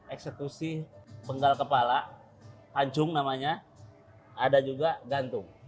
eksekusi penggal kepala pancung namanya ada juga gantung